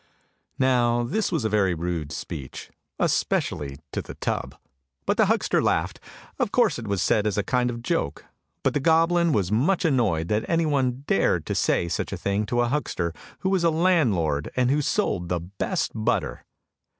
" Now this was a very rude speech, especially to the tub, but the huckster laughed; of course it was said as a kind of joke. But the goblin was much annoyed that anyone dared to say 79 80 ANDERSEN'S FAIRY TALES such a thing to a huckster who was a landlord and who sold the best butter.